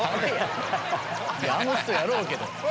あの人やろうけど。